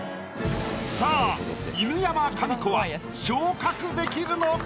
さあ犬山紙子は昇格できるのか？